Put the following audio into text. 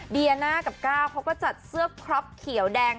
เดียน่ากับก้าวเขาก็จัดเสื้อครอปเขียวแดง